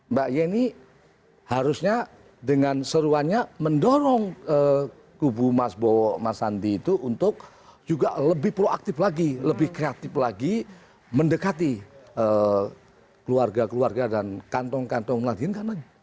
mbak yeni harusnya dengan seruannya mendorong kubu mas sandi itu untuk juga lebih proaktif lagi lebih kreatif lagi mendekati keluarga keluarga dan kantong kantong melajunkan lagi